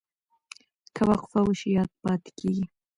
که وقفه وشي یاد پاتې کېږي.